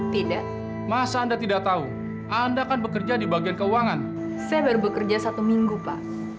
tidak masa anda tidak tahu anda akan bekerja di bagian keuangan saya baru bekerja satu minggu pak